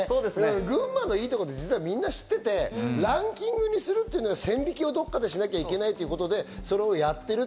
群馬のいいところって実はみんな知っていて、ランキングにするというのが線引きをどこかでしなきゃいけないということで、それをやってる。